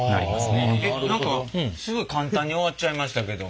えっ何かすごい簡単に終わっちゃいましたけど。